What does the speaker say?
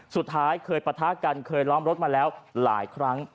สุดท้ายเคยปะทะกันเคยล้อมรถมาแล้วหลายครั้ง